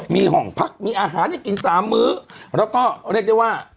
มีห้องพักมีอาหารให้กิน๓มื้อแล้วก็เรียกได้ว่า